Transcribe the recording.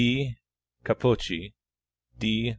B. Capocci. D.